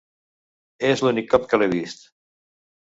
És l'únic cop que l'he vist.